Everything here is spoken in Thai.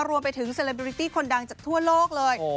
รวมไปถึงเซเลบิริตี้คนดังจากทั่วโลกเลย